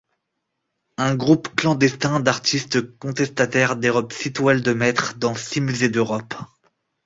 Un groupe clandestin d'artistes contestataires dérobe six toiles de maître dans six musées d'Europe.